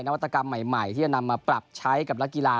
วัตกรรมใหม่ที่จะนำมาปรับใช้กับนักกีฬา